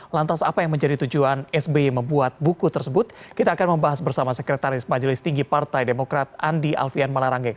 lantas apa yang menjadi tujuan sbi membuat buku tersebut kita akan membahas bersama sekretaris majelis tinggi partai demokrat andi alfian malarangeng